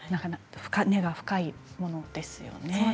根が深いものですよね。